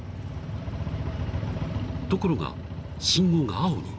［ところが信号が青に］